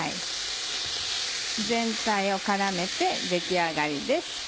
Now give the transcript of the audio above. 全体を絡めて出来上がりです。